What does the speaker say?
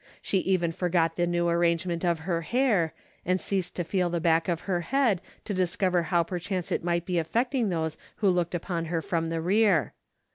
She even forgot the new arrangement of her hair, and ceased to feel the back of her head, to discover how perchance it might be affecting those who looked upon her from the rear.